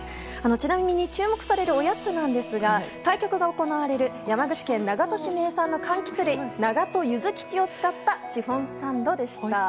ちなみに、注目されるおやつですが対局が行われる山口県長門市名産の柑橘類長門ゆずきちを使ったシフォンサンドでした。